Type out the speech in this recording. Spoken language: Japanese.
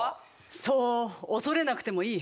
そう恐れなくてもいい。